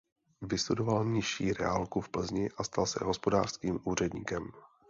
Vystudoval nižší reálku v Plzni a stal se hospodářským úředníkem.